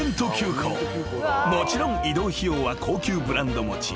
［もちろん移動費用は高級ブランド持ち］